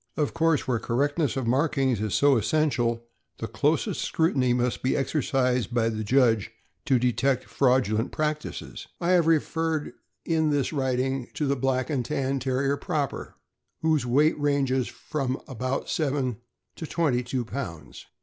Of course, where correctness of markings is so essential, the closest scrutiny must be exercised by the judge to detect fraudulent practices. I have referred in this writing to the Black and Tan Terrier proper, whose weight ranges from about seven to twenty two pounds.